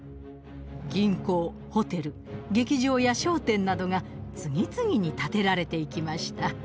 銀行ホテル劇場や商店などが次々に建てられていきました。